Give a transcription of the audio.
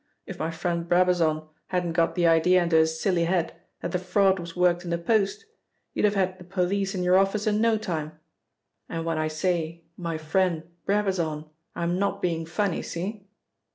If my friend Brabazon hadn't got the idea into his silly head that the fraud was worked in the post, you'd have had the police in your office in no time. And when I say my friend Brabazon, I'm not being funny, see?"